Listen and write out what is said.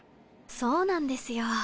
そうなんですよ。